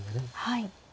はい。